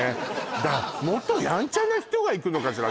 だから元やんちゃな人が行くのかしら